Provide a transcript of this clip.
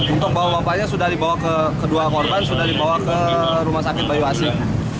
untuk bawa bapaknya sudah dibawa ke kedua korban sudah dibawa ke rumah sakit bayu asing